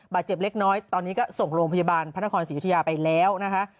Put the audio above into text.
บาดเจ็บเล็กน้อยตอนนี้ก็ส่งโรงพยาบาลพสัครคอนศิริยาไปแล้วนะคะ